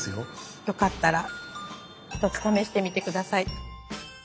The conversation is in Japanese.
よかったら一つ試してみてください。